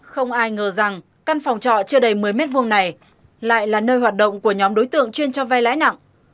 không ai ngờ rằng căn phòng trọ chưa đầy một mươi m hai này lại là nơi hoạt động của nhóm đối tượng chuyên cho vay lãi nặng